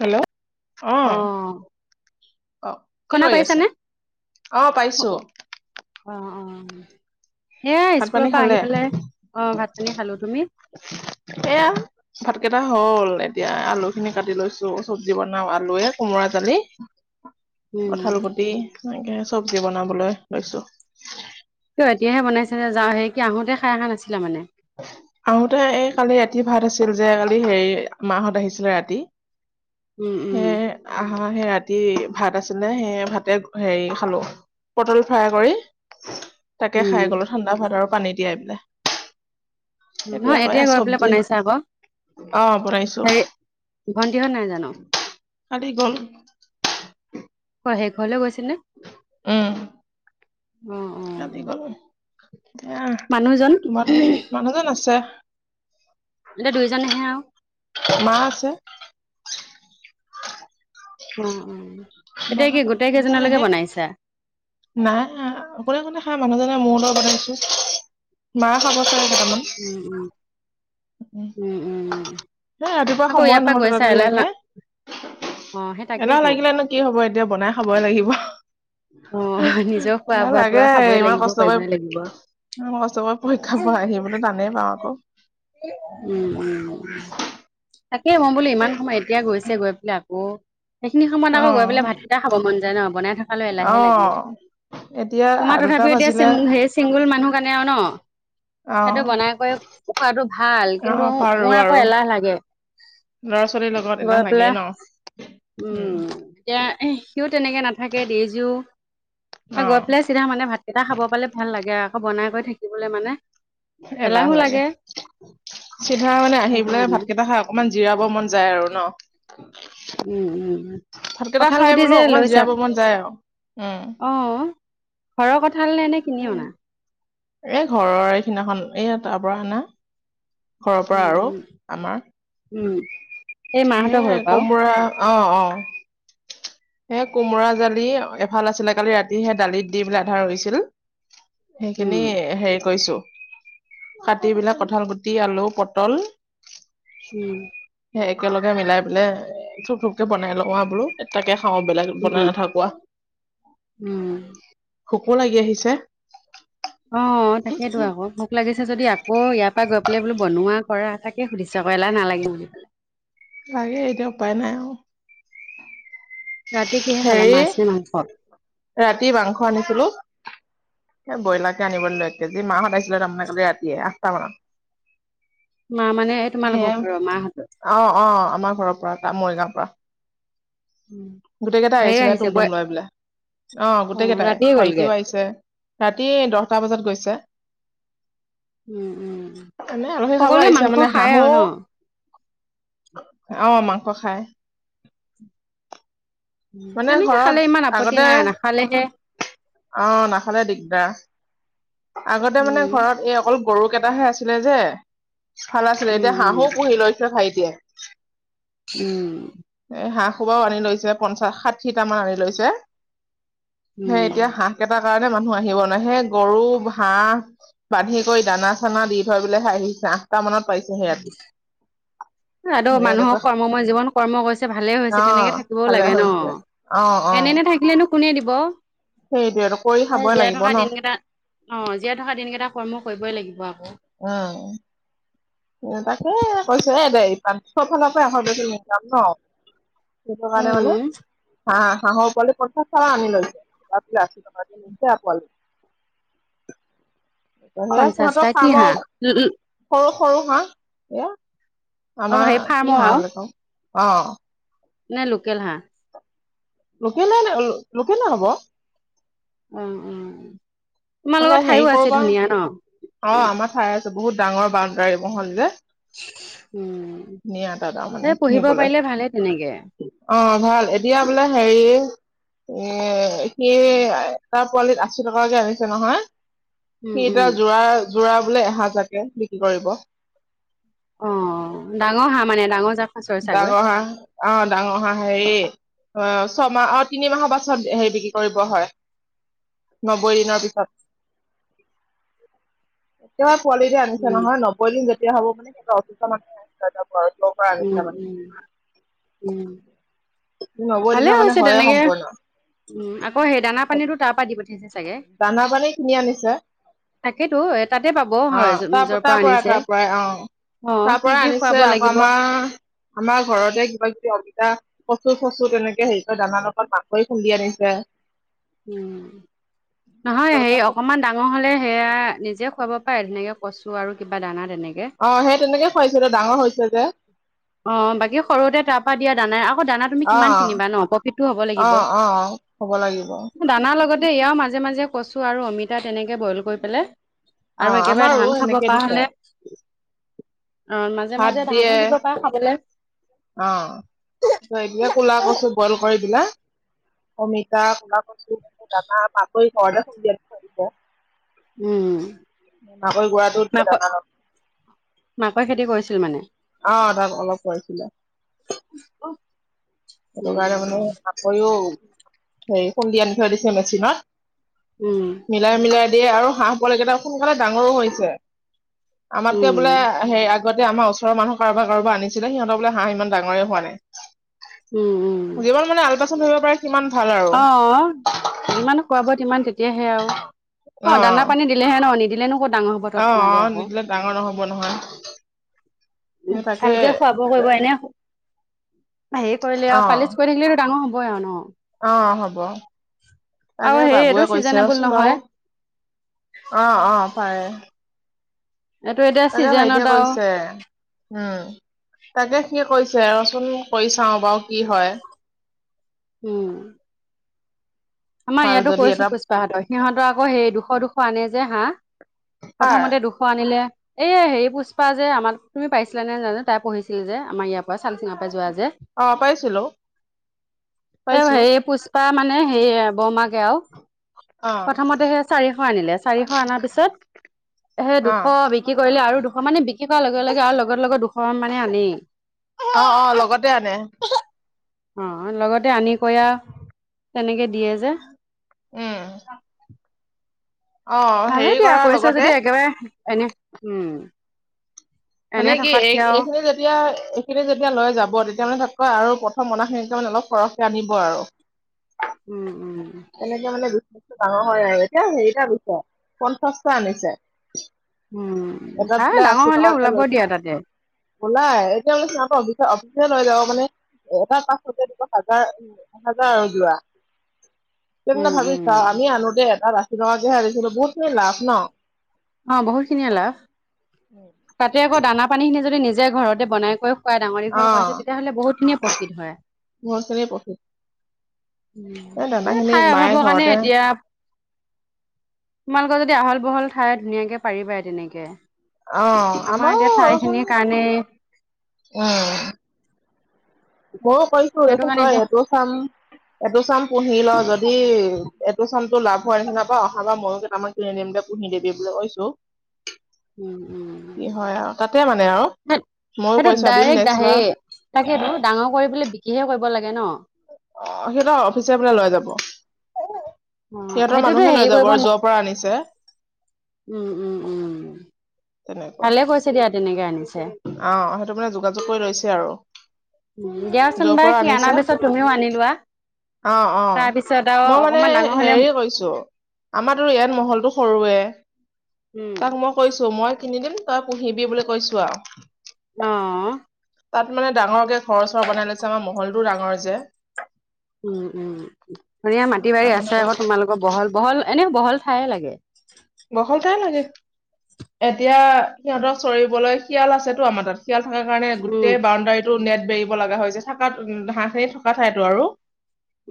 Hello অ', অ', কি শুনা কৰি আছে, পাইছানে অ', পাইছোঁ। এ স্কুলৰ পৰা আহি পেলাই অ, ভাত পানি খালো, তুমি? এয়া ভাতকেইটা হ'ল। এতিয়া আলু খিনি কাটি লৈছো চব্জি বনাও আলুৱে কোমোৰা জালি। উম কঁঠাল গুটি এনেকে চব্জি বনাবলৈ লৈছোঁ। কিয় এতিয়াহে বনাইছা যে, সেই আহোঁতে খাই আহা নাছিলা মানে। আহোঁতে এই কালি ৰাতি ভাত আছিল যে কালি হেৰি মাহত আহিছিলে ৰাতি উম, উম, হা, সেই ৰাতি ভাত আছিলে সেই ভাতে হেৰি খালোঁ পটল ফ্ৰাই কৰি তাকে উম খাই গলো, ঠাণ্ডা ভাত আৰু পানী তিয়াই পেলাই। এতিয়া নহয় কৌ এ গৈ পেলাই সবজি বনাইছা আকৌ অ', বনাইছোঁ। ভণ্টিহত নাই জানো? কালি গল। কোৱা সেই ঘৰলৈ গৈছেনে? উম ৰাতি গলো এ মানুহজন তোমাৰ ধম মানুহজন আছে এতিয়া দুইজনেহে আৰু মা আছে। অ', অ', মা এতিয়া কি আছে গোটেই সেই কেইজনলৈকে বনাইছা? নাই কোনে কোনে খাই মানুহজনে মোৰ লৈ বনাইছোঁ মা খাব ছাগে উম, উম, উম, উম, উম, এ ৰাতিপুৱা আকৌ সময় ইয়াৰ পৰা নহল গৈছা [unintelligible] এলাহ না ইয়াকে অ সেই এটাও তাকেইতো লাগিলে নো কি হব এতিয়া বনাই খাবই লাগিব। অ', নিজৰ খোৱা এলাহ বোৱাতো লাগে আৰু খাবই ইমান লাগিব কষ্ট কৰি পাৰিবই লাগিব। কষ্ট পৰীক্ষা পৰা আহিবলৈ টানেই পাওঁ আকৌ উম, উম, তাকে মই বোলো ইমান সময় এতিয়া গৈছে গৈ পেলাই আকৌ সেইখিনি সময়ত অ আকৌ গৈ পেলাই ভাতকেইটা খাব মন যায় ন বনাই থকাল অ এলাহে লাগে এতিয়া তোমাৰ দুটা তথাপিও এতিয়া বাজিলে হেই চিংগুল মানুহ কাৰণে আৰু ন অ সেইটো বনাই কৰি কুকোৱাটো ভাল অ কিন্তু পাৰো মোৰ আকৌ আৰু এলাহ লাগে ল'ৰা ছোৱালীৰ লগত এলাহ গৈ পেলা লাগেই ন উম, এতিয়া সিত তেনেকে নাথাকে দে যিও অ গৈ পেলাই চিধা মানে ভাতকেইটা খাব পালে ভাল লাগে আৰু বনাই কৰি থাকিবলৈ মানে এলাহ লাগে চিধা মানে আহি সেইটো পেলাই কাৰণে ভাতকেইটা খা অকমান জিৰাব মন যায় আৰু ন উম, উম ভাতকেইটা কঁঠাল খাই গুটি বোলো যে অকমান জিৰা লৈছা ব মন যায় আৰু। উম অ', ঘৰৰ কঁঠাল নে এনে কিনি অনা? এ ঘৰৰ এইদিনাখন এই তাৰ পৰা আনা। ঘৰৰ পৰা উম আৰু উম আমাৰ উম এই হে মাহঁতৰ ঘৰৰ পৰাও কোমোৰা অ', অ', সে কোমোৰা জালি এফাল আছিলে কালি ৰাতি সে দালিত দি পলে আধা ৰৈছিল সেইখিনি উম হেৰি কৰিছোঁ কাটি বিলাক কঁঠাল গুটি আলু পটল উম সে একেলগে মিলাই পেলে ধূপ ধপকে বনাই লওঁ আওঁ বোলো তাকে খাওঁ বেলেগ বনাই উম নাথাকো আওঁ। উম ভোকো লাগি আহিছে। অ', তাকেইতো আকৌ ভোক লাগিছ ছে যদি আকৌ ইয়াৰ পৰা গৈ পেলাই বোলো বনোৱা কৰা তাকে সুধিছোঁ আকৌ এলাহ নালাগিব নি কিবা। লাগে এতিয়া উপায় নাই আৰু। ৰাতি কিহে খালা হেৰি মাছ নে মাংস ৰাতি মাংস আনিছিলো। সেই ব্ৰইলাৰ কে আনিব দিলো এক কেজি মাহত আহিছিলে তাৰমানে কালি ৰাতিয়ে আঠটা মানত। মা মানে এই তোমালোকৰ সেই অ'-অ, ঘৰৰ মাহঁতৰ আমাৰ ঘৰৰ পৰা। মৰিগাঁওৰ পৰা। গোটেই কেইটাই হেৰি আহিছিলে আহিছে তুমটুম বয় লৈ পেলাই, অ' গোটেই কেইটাই ৰাতিয়ে গ'লগে ভাইটিও আহিছে। ৰাতি দহটা বজাত গৈছে। উম উম এনেই আলহী খাব সকলোৱে আহিছে মাংস মানে খায় হাহু আৰু ন অ', মাংস খাই। মানে তেনেকে ঘৰত খালে ইমান আপত্তি আগতে নাই নাখালেহে। অ', নাখালে দিগদাৰ। আগতে মানে উম ঘৰত এই অকল গৰু কেইটাহে আছিলে যে। ভাল আছিলে উম এতিয়া হাঁহো পুহি লৈছে ভাইটিয়ে। উম। এ হাঁহ সূপাও আনি লৈছে পঞ্চাশ ষাঠিটামান আনি লৈছে। সেই উম এতিয়া হাঁহ কেইটাৰ কাৰণে মানুহ আহিব নাই সেই গৰু হাঁহ বান্ধি কৰি দানা চানা দি থৈ পেলাই আহিছে আঠটা মানত পাইছেহে ৰাতি। [inaudible] আদৌ মানুহক তাৰপিছত কৰ্ম মই জীৱন কৰ্ম কৰিছে ভালে অ হৈছে তেনেকে থাকিবও ভালে লাগে ন হৈছে অ অ এনে- এনে থাকিলেনো কোনে দিব সেইটোৱেটো কৰি খাবই জীয়াই লাগিব থকা ন দিনকেইটা অ' জীয়াই থকা দিনকেইটা কৰ্ম কৰিবই লাগিব আকৌ। অ'। তাকে কৈছো এ দে [unintelligible] ন। কি [unintelligible] মানে। উম হাঁহ হাঁহৰ [unintelligible] সিহঁতৰ পঞ্চাশটা কি কামৰ, হাঁহ সৰু সৰু হাঁহ এয়া অ হেৰি আমাৰ কি হাঁহ বুলে কওঁ, অ'। নাই লোকেল হাঁহ। লোকেললে অ লোকেললে হ'ব। উম- উম, তোমাৰ মানে লোকৰ হেৰি ঠাইও কৰো আছে পৰা ধুনীয়া ন। অ' আমাৰ ঠাই আছে বহুত ডাঙৰ বাউণ্ডাৰী মহল যে। [inaudible] ধুনিয়া তাত আও মানে সেই পুহিব পুহিবলৈ, পাৰিলে ভালে তেনেকে অ' ভাল। এতিয়া বোলে হেৰি এ সেই তাৰ পোৱালিত আচি টকাকে আনিছে নহয়। উম- উম। জোৰা বোলে এহাজাৰকে বিক্ৰী কৰিব। অ', ডাঙৰ হাঁহ মানে ডাঙৰ জাত সাঁচৰ চাগৈ ডাঙৰ হাঁহ অ' ডাঙৰ হাঁহ হেৰি অ' ছমাহ অ' তিনিমাহৰ পাচত হেৰি বিক্ৰী কৰিব হয়। নব্বৈ দিনৰ পিছত, টো পোৱালি যে আনিছে উম নহয় নব্বৈ দিন যেতিয়া হ'ব মানে [unintelligible] উম মানে উম- উম। নব্বৈ ভালে দিনৰ মানে হৈছে হয়ে তেনেকে সম্পূৰ্ণ উম, আকৌ সেই দানা পানীতো তাৰ পৰা দি পঠিয়াইছে। চাগে। দানা পানী কিনি আনিছে। তাকেতো এ তাতে পাব অ', হয় য- য'ৰ পৰা তাৰ-তাৰ পৰাই আনিছে। তাৰ পৰাই অ'। অ', তাৰ কি পৰা কি আনিছে খুৱাব আকৌ লাগিব আমাৰ আমাৰ ঘৰতে কিবা কিবি অমিতা কচু চচু তেনেকে হেৰি কৰে দানাৰ লগত মাকৈ খুন্দি আনিছে। উম নহয় হেৰি অকমান ডাঙৰ হলে সেয়া নিজে খুৱাব পায় ধুনাকে কচু আৰু কিবা দানা। তেনেকে। অ সেই তেনেকে খুৱাইছে ডাঙৰ হৈছে যে। অ বাকী সৰুতে তাৰ পৰা দিয়া দানা আকৌ দানা তুমি কিমান কিনিবা ন প্ৰফিটটো হব লাগিব। হয়। দানা লগতে এয়াও মাজে মাজে কচো আৰু অমিতা তেনেকে বইল কৰি পেলাই। আৰু একেবাৰে আমাৰো ধান খাব সেনেকে পৰা দিছে হ'লে অ', মাজে ভাত মাজে ধানো দিয়ে। দিব পাৰা খাবলে অ এতিয়া কলা কচু বইল কৰি দিলে অমিতা কলা কচু কৈছো ব দাদা মাকৈ ঘৰতে উলিয়াব ধৰিব। উম। মাকৈ গোৱাটো দিয়ত মাকৰ খেতি কৰিছিল মানে? আহ তাক অলপ কৰিছিলে। সেইটো উম, কাৰণে মানে উম। মাকৈও হেৰি খুন্দি আনি থৈ দিছে মেচিনত। উম। মিলাই মিলাই দিয়ে আৰু হাঁহ বোৱাল কেইটা সোনকালে ডাঙৰো হৈছে। আমাতকে বোলে উম, সে আগতে আমাৰ ওচৰৰ মানুহ কাৰব কাৰোবাৰ আনিছিলে সিহঁতৰ বোলে হাঁহ ইমান ডাঙৰে হোৱা নাই। উম, উম, যিমান মানে আলপাচন ধৰিব পাৰে সিমান ভাল আৰু অ যিমান খোৱা বোৱাত- মান তেতিয়াহে আৰু অ দানা পানী দিলেহে ন নিদিলে নো কত ডাঙৰ হ'ব তত অ নাদে অ আকৌ নিদিলে ডাঙৰ নহব নহয় উম তাকে ভালকে খুৱাব কৰিব এনে হেৰি কৰিলে অ আৰু পালিচ কৰি থাকিলটো ডাঙৰ হ'বই আৰু ন। অ হ'ব আৰু তাকে হেৰি এইটো বাবুৱে কৈছে ৰ চিজনেবল চোন বাৰু। নহয় অ অ হয়। এইটো এতিয়া তাকে ভাইটিয়ে চিজনত আৰু কৈছে উম তাকে সি কৈছে ৰ চোন কৰি চাও বাৰু কি হয়? উম। আমাৰ ভাল ইয়াতো যদি কৰিছিল এটা পুষ্পাহঁতৰ সিহঁতৰ আকৌ সেই দুশ দুশ আনে যে হাঁহ। কাৰ প্ৰথমতে দুশ আনিলে। এই হেৰি পুষ্পা যে আমাৰ তুমি পাইছিলা নে জানো তাই পঢ়িছিল যে আমাৰ ইয়াৰ পৰা চালচিঙাৰ পৰা যোৱা যে অ পাইছিলো এই পাইছো হে পুষ্পা মানে হে বৰমাক আও অ প্ৰথমতে সেই চাৰিশ আনিলে চাৰিশ আাৰ পিছত এ অ দুশ বিক্ৰী কৰিলে আৰু দুশ দুশ মানে বিক্ৰী কৰোৱাৰ লগে লগে আৰু লগত লগত দুশ মানে আনেই। অ অ লগতে আনে। অ লগতে আন কয় তেনেকে দিয়ে যে। উম অ। অ ভালে হেৰি দিয়া কৰাৰ কৰিছ লগতে যদি একেবাৰে এনে উম এনে মানে কি এই থকাতকে আও এইখিনি যেতিয়া এইখিনি যেতিয়া লৈ যাব তেতিয়া মানে তাতকৈ আৰু মনাখিনি তাৰানে অলপ সৰহকৈ আনিব আৰু। উম উম। তেনেকে মানে বিনেটো ডাঙৰ হয় আৰু এতিয়া হেৰিটা গছে পঞ্চাশটা আনিছে। উম এটাত ভাল বোলে ডাঙৰ আশী হলেও টকাকে ওলাব লৈ দিয়া তাতে য ওলাই এতিয়া ব অফিচ লৈ লও মানে এটা কাষতে দিব হাজাৰ এ হাজাৰ আৰু জোৰা। [unintelligible] তেন্তে ভাবি উম চা আমি আনোতে এটা আশী টকাকে আনিছিলো বহুতখিনি লাভ ন। অ বহুতখিনিয়ে লাভ। তাতে আকৌ দানা পানী খিনি যদি নিজে ঘৰতে বনাই কৰিৈ ক ডাঙৰ অ দীঘল খুৱাইছে তেতিয়াহ'লে বহুত খিনিয়ে প্ৰকৃত হয় বহুত খিনি প্ৰফিট এই দানা এ খিনি ঠাই মায়ে অভাবৰ কাৰণে ঘৰতে এতিয়া তোমালোকৰ যদি আহল বহল ঠাই ধুনীয়াকে পাৰিবা তেনেকে অ আমাৰ আমাৰো এতিয়া ৰচোন ঠাইখিনিৰ কাৰণে উম ময়ো কৈছো সেইটো কাৰণে তেখেতেতই এতিয়া এইটো চাম এইটো চাম পুহি ল যদি এইটো চাম লা হ হয় নিচিনা বা অহা বা ময়ে তামমাক কিনি দিম দে পুহি দিবি বুলি কৈছো উম কি উম। হয় আৰু তাতে মানে আৰু ময়ো সেইটো পইচা দিম ডাইৰেক্ট নেক্সট আহেই বাৰ তাকেতো ডাঙৰ কৰিবলে বিকিহে কৰিব লাগে ন অ সিহত অফিচ প লৈ যাব অ সিহঁতৰ সেইটোতো মানুহে লৈ হেৰি যাব কৰিব আৰু ন যৰ পৰা আনিছে উম উম উম তেনেকুৱা ভালে কৈছে দিয়া তেনেকে আনিছো অ সেইটো মানে যোগাযোগ কৰি লৈছে আৰু দিয়াচোন যৰ পৰা বাাৰ সি আনিছা অনাৰ পিছত তুমিও আনিলোৱা অ অ মই মানে ডাঙৰ হলে হেৰি কৈছো আমাৰো ইয়াত মহলতটো সৰুৱে উম তাক মই কৈছো মই কিনি দিম তই পুহিবি বুলি কৈছো আৰু অ তাত মানে ডাঙৰকে ঘৰ চৰ বনাই লৈছে আমাৰ মহলটোও ডাঙৰ যে উম উম ধুনীয়া মাটি বাৰী তাক আছে মানে আকৌ কৈছো তোমালোকৰ বহল বহল এনে বহল ঠাইে লাগে গখল াই লাগে এতিয়া সিহঁতৰ চৰিবলৈ শিয়াল আছেতো আমাৰ তাত িয়াল থকাৰ কাৰণে উম গোটেই বাউণ্ডাৰীটোো নেট বেৰিব লগা হৈ হৈছে থাকাত ঘাঁহ খিনি থকা ঠাইতো আৰু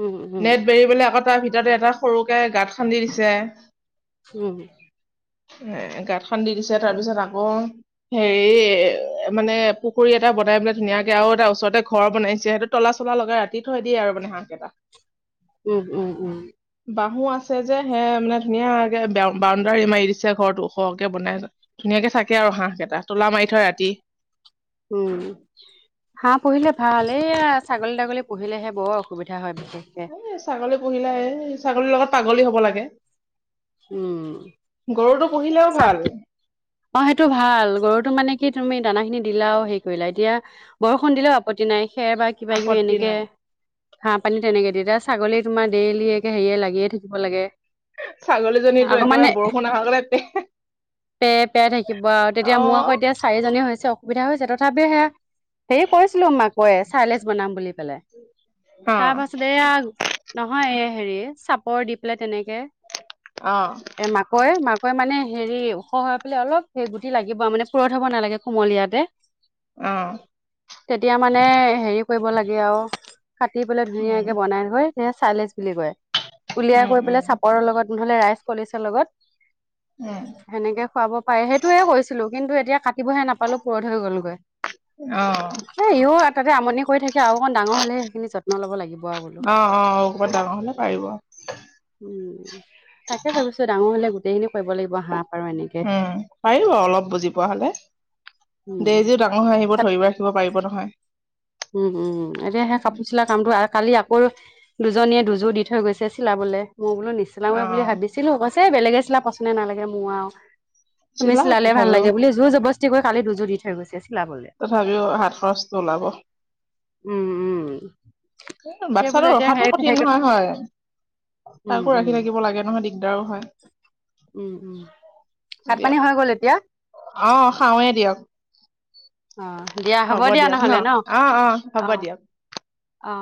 উম উম নেট বেৰিবলৈ আকৌ তাৰ ভিতৰতে এটা সৰুকে গাঁত খান্দি দিছে উম এ গত খ দি দিছে তাৰ পিছত আকৌ হেৰি মানে পুখুৰী এটা বনাই পেললে ধুনাক আৰু এটা ওচৰতে ঘৰ বনাইছে সেইটো তলা চলা লগাই ৰাতি থৈ দিয়ে আৰু মানে হাঁহক এটা উম উম উম বাহু আছে যে সে মানে ধুনীয়াকে বেও বাউণ্ডাৰী মাৰি দিছে ঘৰতটো ওৰহকে বনাই ধুনীয়াকে থাকে আৰু হাঁহ কেইটা তোলা মাৰি থয় ৰাতি উম হা পঢ়িলে ভাল এ ছাগলী তাগলী পঢ়িলেহে বৰ অসুবিধা হয় বিশেষকে পুহিলাই ছাগলীৰ লগত পাগলী হ'ব লাগে উম। গৰুটো পুহিলেও চা- ভাল অ সেইটো ভাল গৰুটোো মানে কি তুমি দানা খিনি দিলা হেৰিলা এতিয়া বৰষুণ দিলেও আপত্ত নাই খ বাকি বাকিিব আপত্তি এনেকে নাই ঘাঁহ পানী তেনেকে দিতিয়া ছাগলী তোমাৰ ডেইলি একে হেৰিয়ে লাগিয়ে থাকিব লাগে ছাগলীজনীতো আকৌ মানে একেবাৰে বৰষুণ নহ গলে পাই থাকিব আৰু তেতিয়া মোৰ আকৌ এতিয়া চাৰিজনী হৈছে অসুবিধা হৈছে তথাপি সেয়া সে কৈছিলো মাকৈয় চাইলেছ বনাম বুলি পেলাই অ তাৰ পাছত এইয়া নহয় এই হেৰি চাপৰ দি পেলাই তেনেকে অ এ মাকৈ মাকৈ মানে হেৰি ওখ বোলে অলপ সে গুটি লাগিব মানে পুৰত হ'ব নালাগে কুমলীয়াাতে আহ তেতিয়া মানে হেৰি কৰিব লাগে আৰু কাটি পলে উম ধুনীয়াকে বনাই থৈ চাইলেচ বুলি কয় উলিয়াই উম কৈ উম পেলাই চাপৰৰ লগত নহলে ৰাইচ কলেচৰ লগত উম সেনেকে খুৱাব পাৰে সেইটোয়ে কৈছিলো কিন্তু এতিয়া ক থাকিবহে নাপালো পুৰত হৈ গলগৈ অ', এ ইও তাতে আমনি ক থাকে আৰু অকণ ডাঙৰ হ'লে সেইখিনি যত্ন ল'ব লাগিব আৰু বোলো আহিব উম তাকে ভাবিছো ডাঙৰ হলে গোটেই খিনি কৰিব লাগিব সাপ আৰু এনেকে উম পাৰিব অলপ বুজি পোৱা হলে উম দেজীও ডাঙৰ হৈ আহিব তাতে ধৰিব ৰাখিব পাৰিব নহয় উম উম উম এতিয়া সেই কাপোৰ চিলা কামটো কালি আ ৰু দুজনীয়ে দুযোৰ দি থৈ গৈছে চিলাবলে মই বোলো নিচিলাওয়ে বুলি অ', ভাবিছিলো আ বেলেগে চিলা পচন্দে নালাগে মোৰ আৰু তুমি চিলাওক চিলালে ভাল তথাপিও লাগে বুলি জোৰ জবৰ্তি কৰি কালি দুযো দি থৈছে তথাপিও হাত খৰচটো ওলাব উম উম সেই বোলো বাচ্ছাটো এতিয়া ৰখাতটো সেই সেই কঠিন নহয় হয়। উম তাকো উম ৰাখি থাকিব লাগে নহয় দিগদাৰো হয়। উম উম ভাত পানী দিয়ক হৈ গ'ল এতিয়া অ খাওঁৱে দিয়ক। অ দিয়া হ'ব দিয়া দিয়ক ন নহ'লে অ অ হ'ব দিয়ক। উ অ